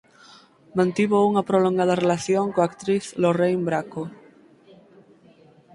Mantivo unha prolongada relación coa actriz Lorraine Bracco.